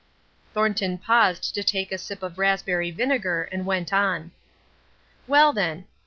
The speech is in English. Thornton paused to take a sip of raspberry vinegar and went on: "Well, then.